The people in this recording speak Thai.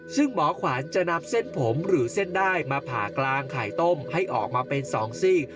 ซึ่งหมอขวานจะนำเส้นผมหรือเส้นได้มาผ่ากลางไข่ต้มให้ออกมาเป็น๒ซีก